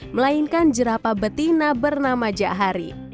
melainkan jerapa betina bernama jahari